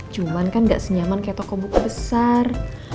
cuman kan gak senyaman kayak toko buku besar